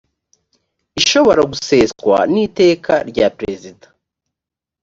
ishobora guseswa n iteka rya perezida